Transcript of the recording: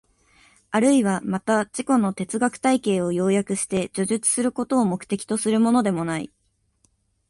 あるいはまた自己の哲学体系を要約して叙述することを目的とするものでもない。